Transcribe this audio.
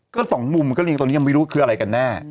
ก็สองมุมก็เรียงตอนนี้ยังไม่รู้คืออะไรกันแน่